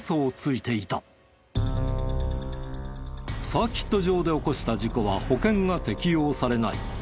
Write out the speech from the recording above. サーキット場で起こした事故は保険が適用されない。